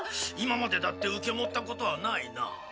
今までだって受け持ったことはないな。